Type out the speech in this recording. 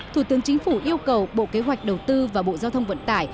thủ tướng chính phủ yêu cầu bộ kế hoạch đầu tư và bộ giao thông vận tải